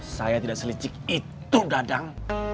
saya tidak selicik itu dadang